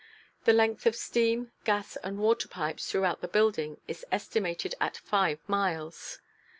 The length of steam, gas, and water pipes throughout the building is estimated at five miles.